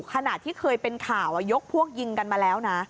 ขณะที่เคยเป็นข่าวยกพวกยิงกันมาแล้วนะ